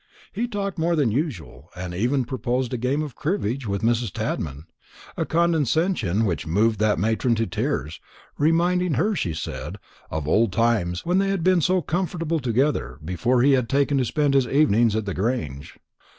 He talked more than usual, and even proposed a game at cribbage with Mrs. Tadman; a condescension which moved that matron to tears, reminding her, she said, of old times, when they had been so comfortable together, before he had taken to spend his evenings at the Grange.